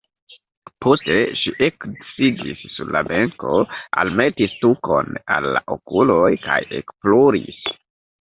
Poste ŝi eksidis sur la benko, almetis tukon al la okuloj kaj ekploris.